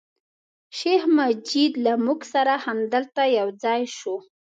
شیخ مجید له موږ سره همدلته یو ځای شو.